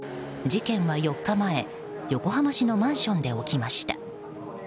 事件は４日前横浜市のマンションで起きました。